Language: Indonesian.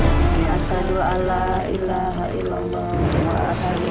assalamualaikum warahmatullahi wabarakatuh